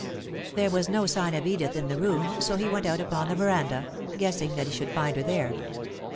There was no sign of Edith in the room, so he went out upon the veranda, guessing that he should find her there.